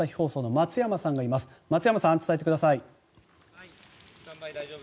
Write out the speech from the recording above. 松山さん、伝えてください。